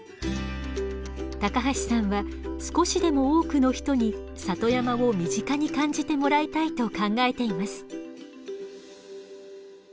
橋さんは少しでも多くの人に里山を身近に感じてもらいたいと考えています。